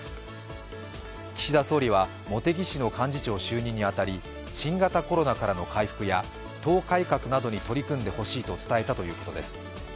岸田総理は茂木氏の幹事長就任に当たり新型コロナからの回復や党改革などに取り組んでほしいと伝えたということです。